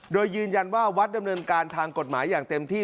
โดยยืนยันว่าวัดดำเนินการทางกฎหมายอย่างเต็มที่